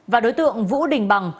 và đối tượng vũ đình bằng